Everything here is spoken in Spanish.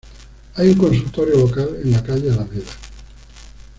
Hay un consultorio local en la calle Alameda.